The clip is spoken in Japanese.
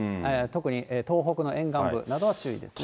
特に東北の沿岸部などは注意ですね。